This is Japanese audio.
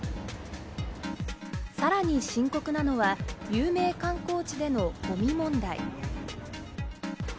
さらに深刻なのは有名観光地でのゴミ問題。